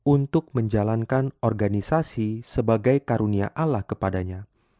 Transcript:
untuk menjalankan organisasi sebagai karunia alah kepadanya